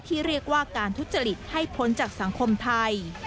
ที่เรียกว่าการทุจริตให้พ้นจากสังคมไทย